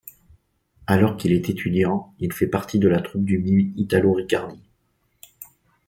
Alors qu'il est étudiant, il fait partie de la troupe du mime Italo Riccardi.